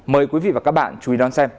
mời quý vị và các bạn chú ý nó